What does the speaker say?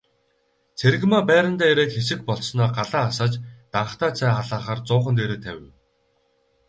Цэрэгмаа байрандаа ирээд хэсэг болсноо галаа асааж данхтай цай халаахаар зуухан дээрээ тавив.